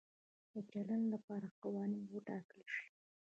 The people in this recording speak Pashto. د چلند لپاره قوانین وټاکل شي.